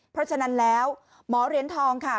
เพราะฉะนั้นแล้วหมอเหรียญทองค่ะ